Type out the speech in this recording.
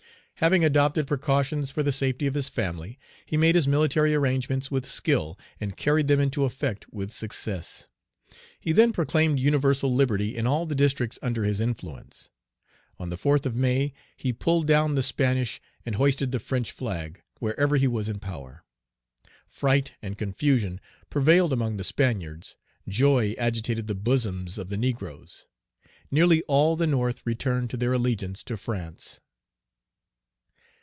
Having adopted precautions for the safety of his family, he made his military arrangements with skill, and carried them into effect with success. He then proclaimed universal liberty in all the districts under his influence. On the 4th of May, he pulled down the Spanish and hoisted the French flag wherever he was in power. Fright and confusion prevailed among the Spaniards. Joy agitated the bosoms of the negroes. Nearly all the North returned to their allegiance to France.